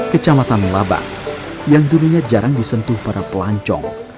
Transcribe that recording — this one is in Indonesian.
kecamatan laban yang dulunya jarang disentuh para pelancong